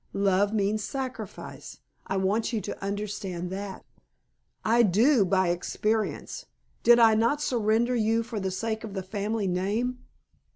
Love means sacrifice. I want you to understand that." "I do, by experience. Did I not surrender you for the sake of the family name?